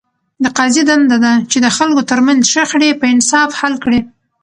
د قاضي دنده ده، چي د خلکو ترمنځ شخړي په انصاف حل کړي.